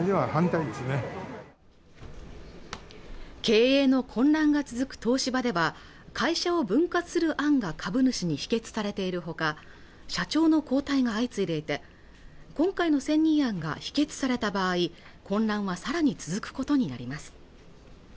経営の混乱が続く東芝では会社を分割する案が株主に否決されているほか社長の交代が相次いでいて今回の選任案が否決された場合混乱はさらに続くことになります